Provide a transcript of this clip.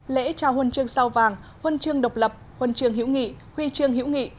lễ trao huân chương sao vàng huân chương độc lập huân chương hữu nghị huy chương hữu nghị